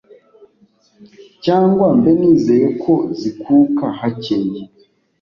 cyangwa mbe nizeye ko zikuka hakeye?